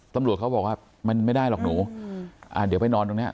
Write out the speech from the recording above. ตำรวจเขาบอกว่ามันไม่ได้หรอกหนูอ่าเดี๋ยวไปนอนตรงเนี้ย